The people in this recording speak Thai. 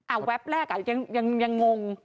แวบแรกอ่ะยังงง